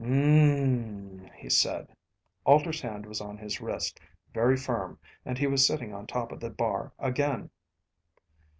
"Mmmmmmmmmm," he said. Alter's hand was on his wrist, very firm, and he was sitting on top of the bar again.